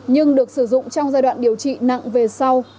nhưng được sử dụng trong giai đoạn điều trị nặng về sau